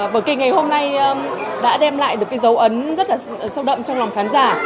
bởi kịch ngày hôm nay đã đem lại được dấu ấn rất sâu đậm trong lòng khán giả